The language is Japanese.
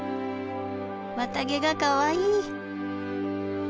綿毛がかわいい。